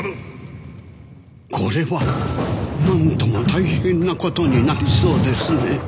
これはなんとも大変なことになりそうですねあっ？